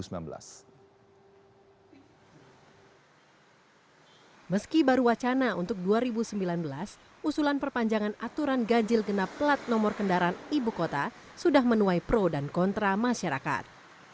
meski baru wacana untuk dua ribu sembilan belas usulan perpanjangan aturan ganjil genap plat nomor kendaraan ibu kota sudah menuai pro dan kontra masyarakat